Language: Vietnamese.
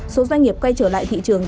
số doanh nghiệp quay trở lại thị trường